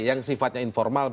yang sifatnya informal